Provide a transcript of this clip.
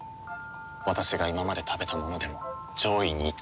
私が今まで食べたものでも上位に位置する味。